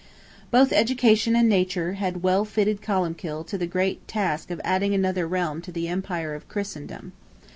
Both Education and Nature had well fitted Columbkill to the great task of adding another realm to the empire of Christendom.